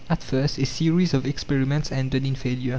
At first a series of experiments ended in failure.